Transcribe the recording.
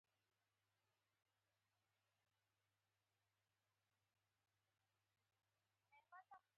خبر نه یمه چې چیرته